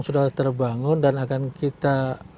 sudah terbangun dan akan kita